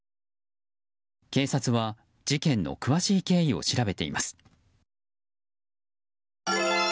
警察は事件の詳しい経緯を調べています。